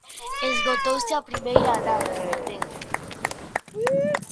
Esgotouse a primeira anada tamén.